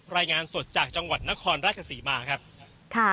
รายงานสดจากจังหวัดนครราชศรีมาครับค่ะ